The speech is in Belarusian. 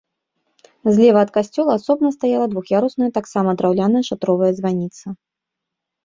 Злева ад касцёла асобна стаяла двух'ярусная таксама драўляная шатровая званіца.